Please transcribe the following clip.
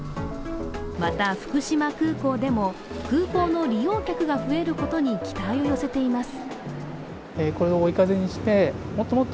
また、福島空港でも航空の利用客が増えることに期待を寄せています。